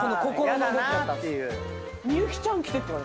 嫌だなっていう。